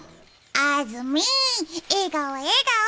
あずみ、笑顔、笑顔。